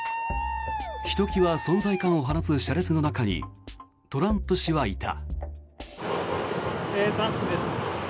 ひときわ存在感を放つ車列の中にトランプ氏はいた。